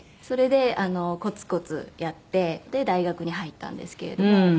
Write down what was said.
それでコツコツやってで大学に入ったんですけれども。